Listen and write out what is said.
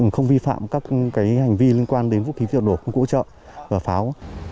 không vi phạm các hành vi liên quan đến vũ khí vụ nổ công cụ ủy trợ và pháo